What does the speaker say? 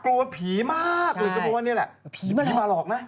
กลัวว่าผีมากหรือจะกลัวว่านี่แหละ